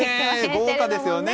豪華ですよね。